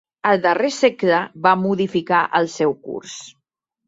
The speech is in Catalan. Al darrer segle va modificar el seu curs.